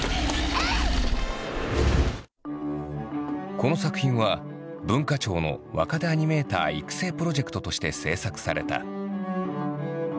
この作品は文化庁の若手アニメーター育成プロジェクトとして制作された。